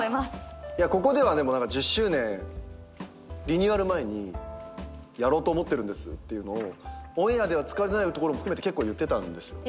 ここでは１０周年リニューアル前にやろうと思ってるんですっていうのをオンエアでは使われてないところも含めて結構言ってたんですよ。